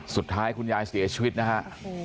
สุดท้ายคุณยายเสียชีวิตนะฮะ